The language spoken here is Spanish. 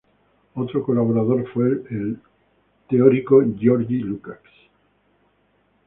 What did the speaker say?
Otro colaborador fue el teórico György Lukács.